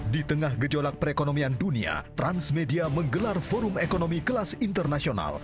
di tengah gejolak perekonomian dunia transmedia menggelar forum ekonomi kelas internasional